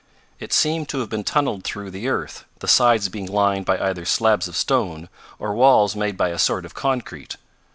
It seemed to have been tunneled through the earth, the sides being lined by either slabs of stone, or walls made by a sort of concrete.